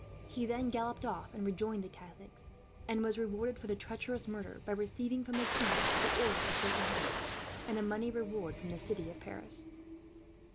He then galloped off and rejoined the Catholics; and was rewarded, for the treacherous murder, by receiving from the king the order of Saint Michael, and a money reward from the city of Paris.